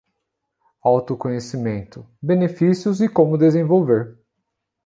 Autoconhecimento: benefícios e como desenvolver